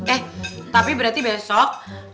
eh tapi berarti besok